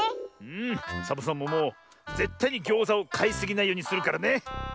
うんサボさんももうぜったいにギョーザをかいすぎないようにするからね！